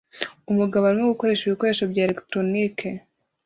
Umugabo arimo gukoresha ibikoresho bya elegitoroniki